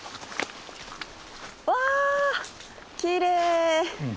わきれい！